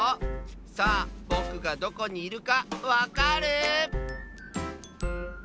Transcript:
さあぼくがどこにいるかわかる？